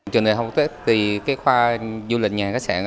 trường đại học tết thì cái khoa du lịch nhà khách sạn